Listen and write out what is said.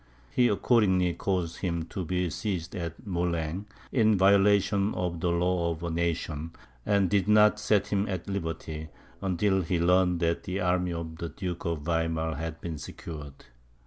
He accordingly caused him to be seized at Moulin, in violation of the law of nations, and did not set him at liberty, until he learned that the army of the Duke of Weimar had been secured.